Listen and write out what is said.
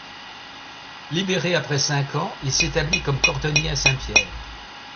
Libéré après cinq ans, il s'établit comme cordonnier à Saint-Pierre.